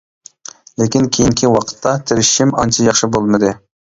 لېكىن كېيىنكى ۋاقىتتا تىرىشىشىم ئانچە ياخشى بولمىدى.